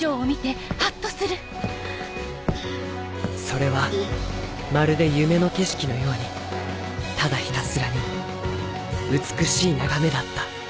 それはまるで夢の景色のようにただひたすらに美しい眺めだった。